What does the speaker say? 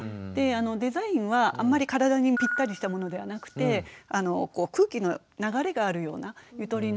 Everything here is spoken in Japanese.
デザインはあんまり体にぴったりしたものではなくて空気の流れがあるようなゆとりのあるものがいいと思います。